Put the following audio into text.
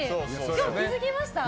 今日、気づきました？